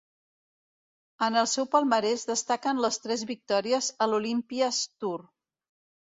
En el seu palmarès destaquen les tres victòries a l'Olympia's Tour.